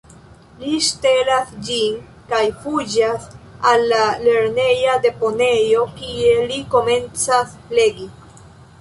Li ŝtelas ĝin kaj fuĝas al la lerneja deponejo, kie li komencas legi.